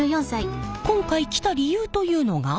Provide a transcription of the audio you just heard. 今回来た理由というのが？